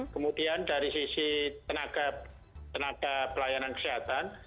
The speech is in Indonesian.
kemudian dari sisi tenaga pelayanan kesehatan